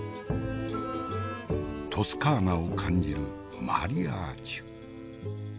トスカーナを感じるマリアージュ。